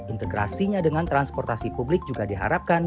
integrasinya dengan transportasi publik juga diharapkan